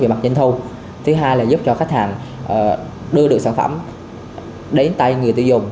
về mặt doanh thu thứ hai là giúp cho khách hàng đưa được sản phẩm đến tay người tiêu dùng